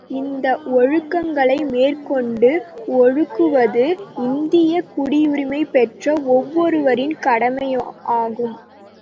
இந்த ஒழுக்கங்களை மேற்கொண்டு ஒழுகுவது இந்தியக் குடியுரிமை பெற்ற ஒவ்வொருவரின் கடமையுமாகும்.